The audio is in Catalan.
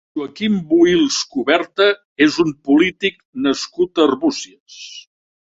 Joaquim Bohils Cuberta és un polític nascut a Arbúcies.